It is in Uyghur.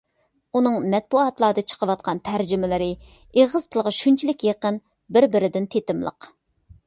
ئۇنىڭ مەتبۇئاتلاردا چىقىۋاتقان تەرجىمىلىرى ئېغىز تىلىغا شۇنچىلىك يېقىن، بىر-بىرىدىن تېتىملىق.